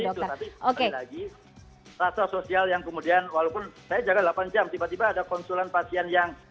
tapi sekali lagi rasa sosial yang kemudian walaupun saya jaga delapan jam tiba tiba ada konsulan pasien yang